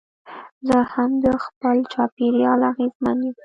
زه هم د خپل چاپېریال اغېزمن یم.